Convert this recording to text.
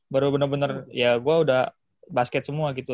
baru bener bener ya gue udah basket semua gitu